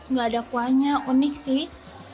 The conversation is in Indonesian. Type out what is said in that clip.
nggak ada kuahnya unik sih